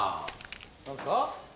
何ですか？